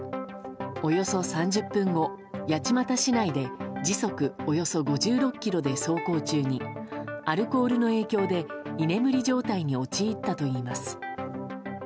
およそ３０分後、八街市内で時速およそ５６キロで走行中にアルコールの影響で居眠り状態に陥ったといいます。